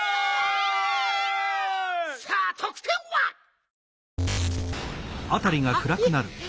さあとくてんは？はへ？